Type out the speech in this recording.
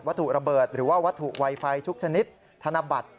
ถูกระเบิดหรือว่าวัตถุไวไฟทุกชนิดธนบัตร